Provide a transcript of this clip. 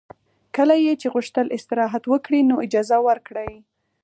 کله یې چې غوښتل استراحت وکړي نو اجازه ورکړئ